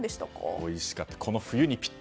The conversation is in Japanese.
おいしかった。